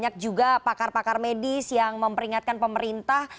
kemudian pakar pakar medis yang memperingatkan pemerintah